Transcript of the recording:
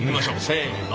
せの。